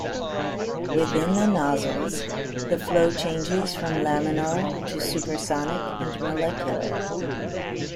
Within the nozzles, the flow changes from laminar, to supersonic and molecular.